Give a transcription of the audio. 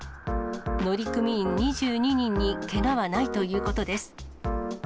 乗組員２２人にけがはないということです。